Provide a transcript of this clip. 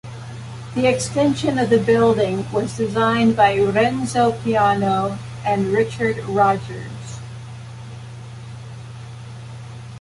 The extension of the building was designed by Renzo Piano and Richard Rogers.